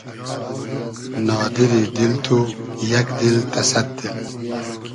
نادیری دیل تو یئگ دیل تۂ سئد دیل